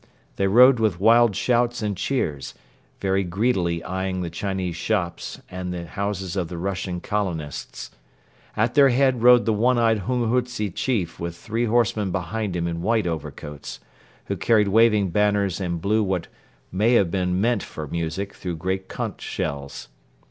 They rode with wild shouts and cheers, very greedily eyeing the Chinese shops and the houses of the Russian colonists. At their head rode the one eyed hunghutze chief with three horsemen behind him in white overcoats, who carried waving banners and blew what may have been meant for music through great conch shells.